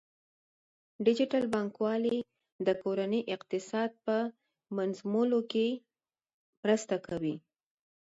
ډیجیټل بانکوالي د کورنۍ اقتصاد په منظمولو کې مرسته کوي.